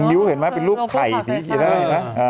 ย่องนิ้วเห็นไหมเป็นรูปไข่สิแบบเนี่ย